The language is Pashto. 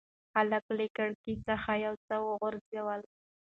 هلک له کړکۍ څخه یو څه وغورځول.